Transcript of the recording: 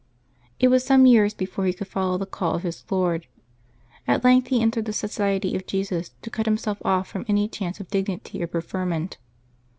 It was some years before he could follow the call of his Lord ; at length he entered the Society of Jesus to cut himself off from any chance of dignity or preferment.